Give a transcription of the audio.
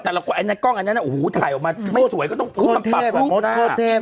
แต่ละคนไอ้กล้องอันเนี้ยน่ะโอ้โหถ่ายออกมาไม่สวยก็ต้องโคตรเทพโคตรเทพ